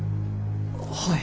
はい。